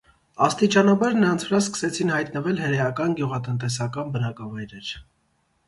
Աստիճանաբար, նրանց վրա սկսեցին հայտնվել հրեական գյուղատնտեսական բնակավայրեր։